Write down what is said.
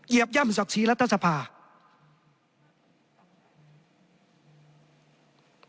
เหยียบย่ำศักดิ์ศรีรัฐสภาคม